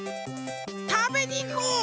たべにいこう！